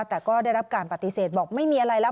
แต่ก็ได้รับการปฏิเสธบอกไม่มีอะไรแล้ว